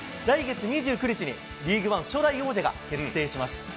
来月２９日に、リーグワン初代王者が決定します。